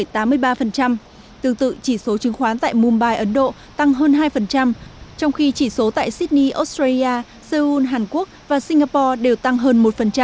tương tự chỉ số chứng khoán tại mumbai ấn độ tăng hơn hai trong khi chỉ số tại sydney australia seoul hàn quốc và singapore đều tăng hơn một